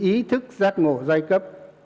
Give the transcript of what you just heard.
như ý thức giác ngộ giai cấp